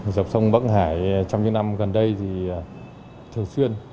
dọc sông bắc hải trong những năm gần đây thì thường xuyên